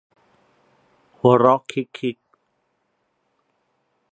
หัวเราะคริคริ